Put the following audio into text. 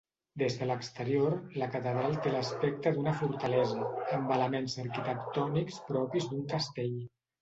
Des de l'exterior, la catedral té l'aspecte d'una fortalesa, amb elements arquitectònics propis d'un castell.